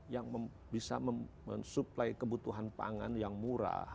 yang bisa mensuplai kebutuhan pangan yang murah